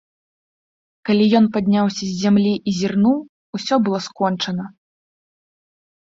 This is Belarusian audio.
Калі ён падняўся з зямлі і зірнуў, усё было скончана.